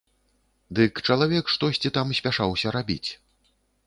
Дык чалавек штосьці там спяшаўся рабіць.